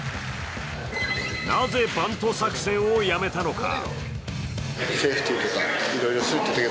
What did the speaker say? なぜバント作戦をやめたのか？